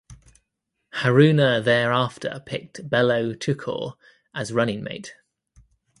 Haruna thereafter picked Bello Tukur as running mate.